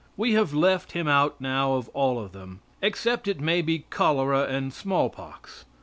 We have left him out now of all of them, except it may be cholera and smallpox.